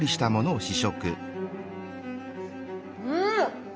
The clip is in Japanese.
うん！